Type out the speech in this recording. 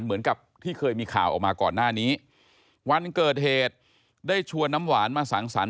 เหมือนกับที่เคยมีข่าวออกมาก่อนหน้านี้วันเกิดเหตุได้ชวนน้ำหวานมาสังสรรค